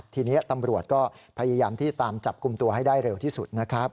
ทีนี้ตำรวจก็พยายามที่ตามจับกลุ่มตัวให้ได้เร็วที่สุดนะครับ